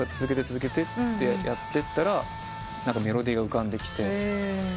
続けて」ってやってったらメロディーが浮かんできて。